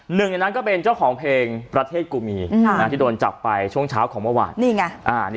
หนึ่งในนั้นก็เป็นเจ้าของเพลงประเทศกูมีที่โดนจับไปช่วงเช้าของเมื่อวาน